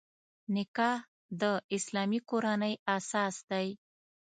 نکاح د اسلامي کورنۍ اساس دی.